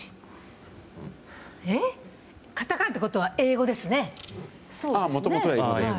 カタカナってことは英語ですね。